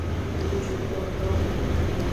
Ejukploto.